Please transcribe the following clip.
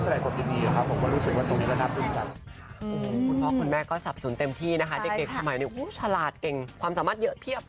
เด็กขมัยนี้ชลาดเก่งความสามารถเยอะเทียบ